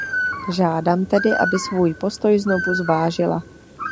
Žádám tedy, aby svůj postoj znovu zvážila.